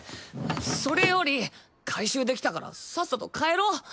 そそれより回収できたからさっさと帰ろう！